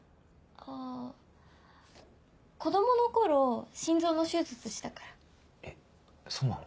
あぁ子供の頃心臓の手術したから。えっそうなの？